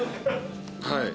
はい。